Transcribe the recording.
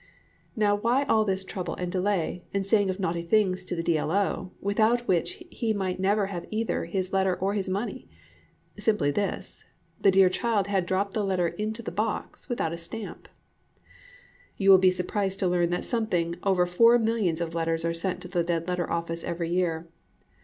Now why all this trouble and delay, and saying of naughty things to the D. L. O., without which he might never have seen either his letter or his money? Simply this: the dear child had dropped her letter into the box without a stamp. You will be surprised to learn that something over four millions of letters are sent to the Dead letter Office every year.